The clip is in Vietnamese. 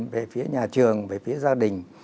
về phía nhà trường về phía gia đình